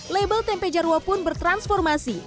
label tempe jarwo pun bertransformasi